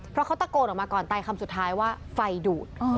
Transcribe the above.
เพราะเขาตะโกนออกมาก่อนตายคำสุดท้ายว่าไฟดูด